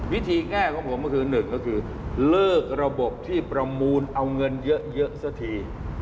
แง่ของผมก็คือหนึ่งก็คือเลิกระบบที่ประมูลเอาเงินเยอะสักที